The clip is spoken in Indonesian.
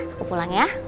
aku pulang ya